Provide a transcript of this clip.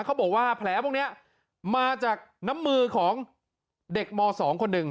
เขาบอกว่าแผลพวกนี้มาจากน้ำมือของเด็กม๒คนหนึ่ง